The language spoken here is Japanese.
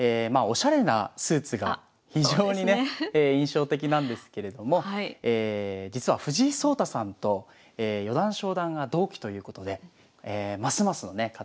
おしゃれなスーツが非常にね印象的なんですけれども実は藤井聡太さんと四段昇段が同期ということでますますのね